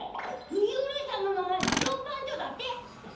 ゆうれいさんの名前ドン・パンチョだって。